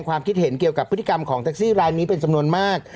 ความคิดเห็นเกี่ยวกับพฤติกรรมของแท็กซี่รายนี้เป็นจำนวนมาก